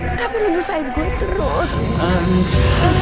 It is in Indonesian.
ngamber ngerusain gue terus